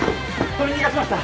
取り逃がしました。